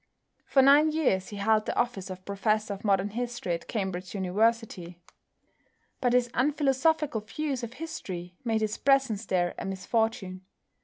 For nine years he held the office of Professor of Modern History at Cambridge University, but his unphilosophical views of history made his presence there a misfortune.